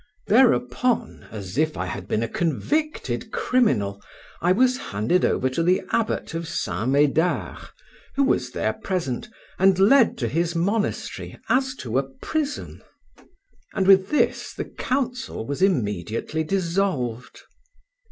Thereupon, as if I had been a convicted criminal, I was handed over to the Abbot of St. Médard, who was there present, and led to his monastery as to a prison. And with this the council was immediately dissolved.